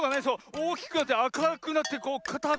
おおきくなってあかくなってこうかたくなって。